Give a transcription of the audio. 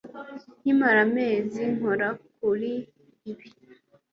Nkimara amezi nkora kuri ibi